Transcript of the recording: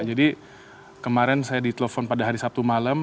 jadi kemarin saya ditelepon pada hari sabtu malam